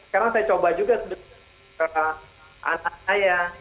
sekarang saya coba juga sebagai anak saya